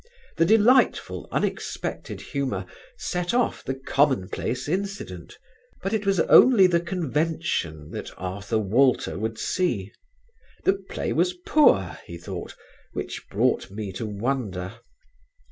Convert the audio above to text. The delightful, unexpected humour set off the commonplace incident; but it was only the convention that Arthur Walter would see. The play was poor, he thought, which brought me to wonder.